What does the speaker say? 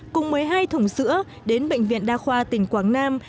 cùng một mươi hai thùng sữa đến bệnh viện đa khoa tỉnh quảng nam